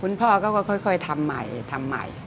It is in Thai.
พ่อก็ค่อยทำใหม่ทำใหม่